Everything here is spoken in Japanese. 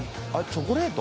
チョコレート？